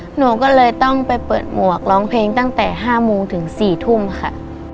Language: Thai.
หนูก็เลยต้องไปเปิดหมวกร้องเพลงตั้งแต่๕โมงถึง๔ทุ่มค่ะ